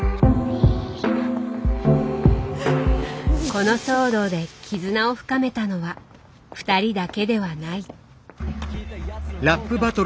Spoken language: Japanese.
この騒動で絆を深めたのは２人だけではない。